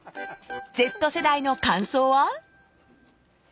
［Ｚ世代の感想は？］